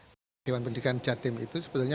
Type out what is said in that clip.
pembelajaran pendidikan jatim itu sebenarnya